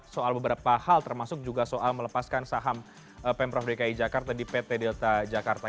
soal beberapa hal termasuk juga soal melepaskan saham pemprov dki jakarta di pt delta jakarta